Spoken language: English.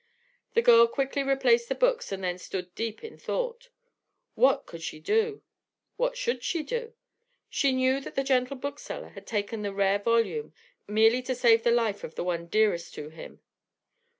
The girl quickly replaced the books and then stood deep in thought. What could she do? What should she do? She knew that the gentle bookseller had taken the rare volume merely to try to save the life of the one dearest to him.